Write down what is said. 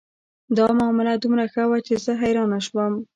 دا معامله دومره ښه وه چې زه حیرانه شوم